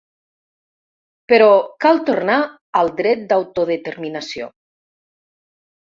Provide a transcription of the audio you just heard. Però cal tornar al dret d’autodeterminació.